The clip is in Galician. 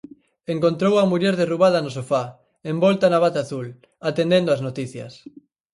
Encontrou á muller derrubada no sofá, envolta na bata azul, atendendo ás noticias.